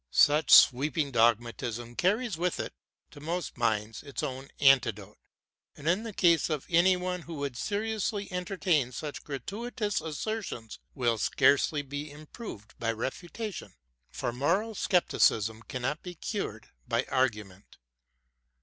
Such sweeping dogmatism carries with it, to most minds, its own antidote ; and the case of any one who should seriously entertain such gratuitous assertions will scarcely be im proved by refutation, — for moral scepticism cannot be cured by argument.